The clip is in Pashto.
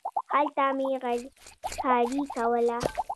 هلته مې غريبکاري کوله.